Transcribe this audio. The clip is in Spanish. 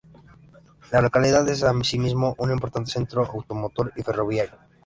La localidad es asimismo un importante centro automotor y ferroviario.